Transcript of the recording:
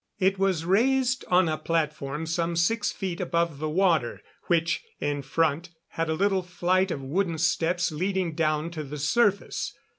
It was raised on a platform some six feet above the water, which, in front, had a little flight of wooden steps leading down to the surface.